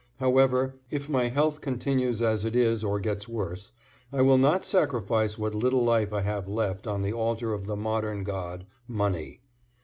However, if my health continues as it is or gets worse, I will not sacrifice what little life I have left on the altar of the modern god money.